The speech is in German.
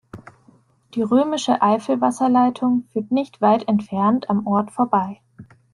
Die römische Eifelwasserleitung führt nicht weit entfernt am Ort vorbei.